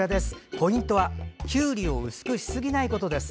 ポイントはきゅうりを薄くしすぎないことです。